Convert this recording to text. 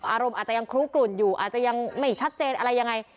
อารมณ์อาจจะยังคลุกกลุ่นอยู่อาจจะยังไม่ชัดเจนอะไรยังไง